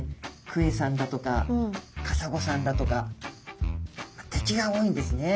クエさんだとかカサゴさんだとか敵が多いんですね。